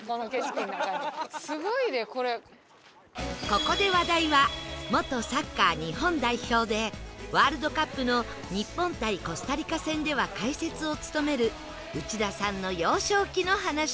ここで話題は元サッカー日本代表でワールドカップの日本対コスタリカ戦では解説を務める内田さんの幼少期の話に